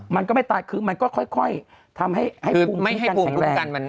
มันก็ไม่ตายคือมันก็ค่อยทำให้ภูมิแข็งแรง